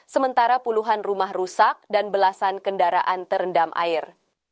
sementara puluhan rumah rusak dan belasan kendaraan terendam air